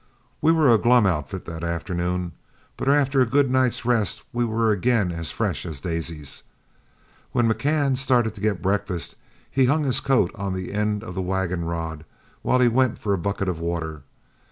We were a glum outfit that afternoon, but after a good night's rest were again as fresh as daisies. When McCann started to get breakfast, he hung his coat on the end of the wagon rod, while he went for a bucket of water.